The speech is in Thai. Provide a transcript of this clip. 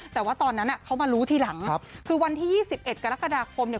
แต่ว่าตอนนั้นเขามารู้ทีหลังคือวันที่๒๑กรกฎาคมเนี่ย